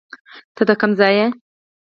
ته د کم ځای یې